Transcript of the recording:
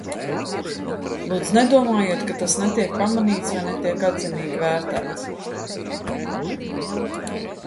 Lūdzu, nedomājiet, ka tas netiek pamanīts vai netiek atzinīgi vērtēts.